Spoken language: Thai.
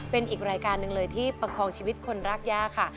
เป็นอีกรายการหนึ่งเลยที่ประคองชีวิตคนรักย่าค่ะ